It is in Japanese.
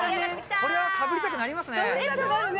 これはかぶりたくなりますね。